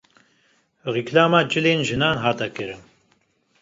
Rîklama cilên jinan hat kirin